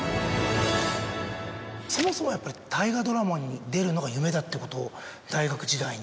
そもそもやっぱり大河ドラマに出るのが夢だってことを大学時代に。